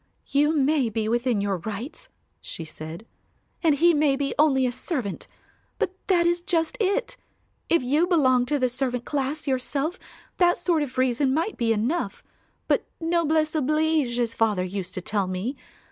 "You may be within your rights," she said, "and he may be only a servant; but that is just it; if you belonged to the servant class yourself that sort of reason might be enough, but 'noblesse oblige' as father used to tell me.